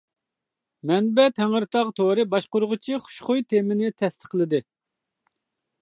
مەنبە تەڭرىتاغ تورى باشقۇرغۇچى خۇشخۇي تېمىنى تەستىقلىدى.